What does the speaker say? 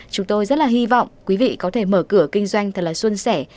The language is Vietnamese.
chúng tôi rất là hy vọng quý vị có thể mở cửa kinh doanh thật là xuân sẻ